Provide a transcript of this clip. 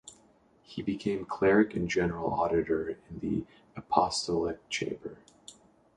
He became cleric and general auditor in the Apostolic Chamber.